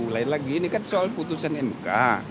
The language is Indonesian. lain lagi ini kan soal putusan mk